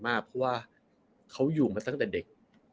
เพราะว่าเขาอยู่มาตั้งแต่เด็ก